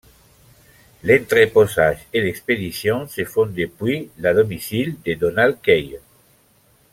L'entreposage et l'expédition se font depuis le domicile de Donald Kaye.